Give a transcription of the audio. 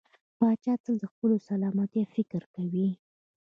پاچا تل د خپلې سلامتيا په فکر کې وي .